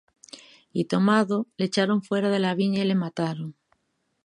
Y tomado, le echaron fuera de la viña, y le mataron.